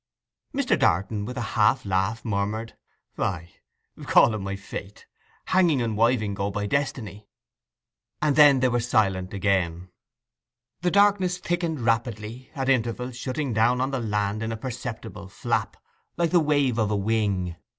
Mr. Darton with a half laugh murmured, 'Ay—call it my fate! Hanging and wiving go by destiny.' And then they were silent again. The darkness thickened rapidly, at intervals shutting down on the land in a perceptible flap, like the wave of a wing.